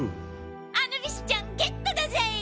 アヌビスちゃんゲットだぜ！